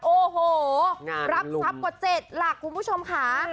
โอ้โหรับทรัพย์กว่า๗หลักคุณผู้ชมค่ะ